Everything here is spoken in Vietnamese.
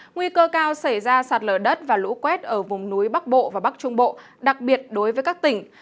nguy cơ cao xảy ra sạt lở đất và lũ quét ở vùng núi bắc bộ và bắc trung bộ đặc biệt đối với các tỉnh